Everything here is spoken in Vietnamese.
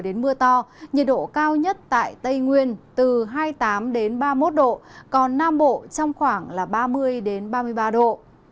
đến mưa to nhiệt độ cao nhất tại tây nguyên từ hai mươi tám ba mươi một độ còn nam bộ trong khoảng là ba mươi ba mươi ba độ